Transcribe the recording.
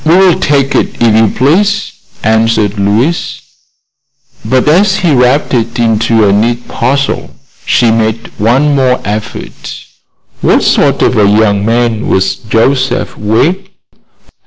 "We will take it, if you please," answered Louise. But as he wrapped it into a neat parcel she made one more effort. "What sort of a young man was Joseph Wegg?"